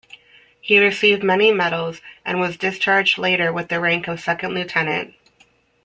He received many medals and was discharged later with the rank of second lieutenant.